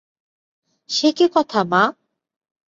সে কি কথা মা!